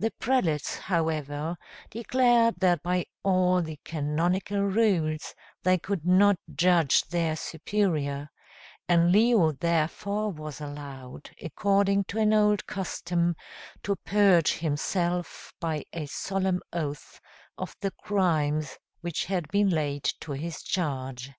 The prelates, however, declared that by all the canonical rules they could not judge their superior; and Leo therefore was allowed, according to an old custom, to purge himself, by a solemn oath, of the crimes which had been laid to his charge.